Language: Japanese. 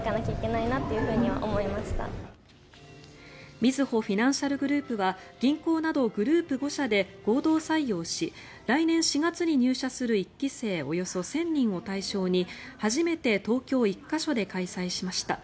みずほフィナンシャルグループは銀行などグループ５社で合同採用し来年４月に入社する１期生およそ１０００人を対象に初めて東京１か所で開催しました。